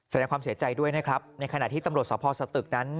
แสดงความเสียใจด้วยนะครับในขณะที่ตำรวจสภสตึกนั้น